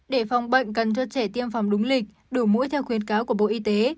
để phòng bệnh cần cho trẻ tiêm phòng đúng lịch đủ mũi theo khuyến cáo của bộ y tế